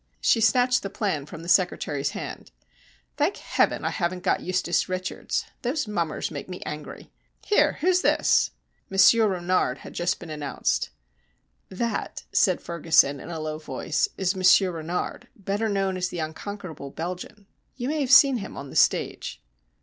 She snatched the plan from the secretary's hand. "Thank Heaven, I haven't got Eustace Richards these mummers make me angry. Here, who's this?" Monsieur Renard had just been announced. "That," said Ferguson, in a low voice, "is Monsieur Renard, better known as the Unconquerable Belgian. You may have seen him on the stage."